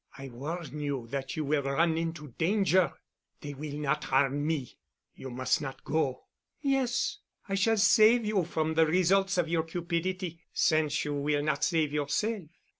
"I warn you that you will run into danger." "They will not harm me." "You must not go." "Yes. I shall save you from the results of your cupidity—since you will not save yourself."